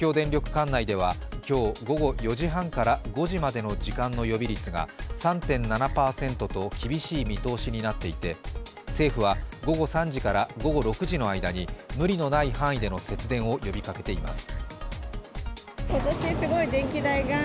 管内では、今日午後４時半から５時までの時間の予備率が３．７％と厳しい見通しになっていて政府は午後３時から午後６時の間に無理のない範囲での節電を呼びかけています。